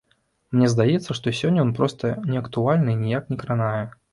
Мне здаецца, што сёння ён проста неактуальны і ніяк не кранае.